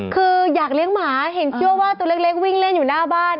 คืออยากเลี้ยงหมาเห็นเชื่อว่าตัวเล็กวิ่งเล่นอยู่หน้าบ้าน